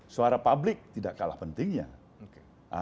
suara publik tidak kalah pentingnya